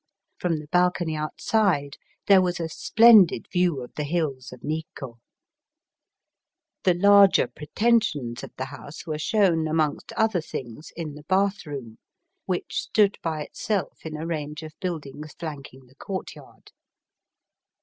From the balcony outside there was a splendid view of the hills of Nikko. The larger pretensions of the house were shown, amongst other things, in the bath room, which stood by itself in a range of buildings flanking the courtyard.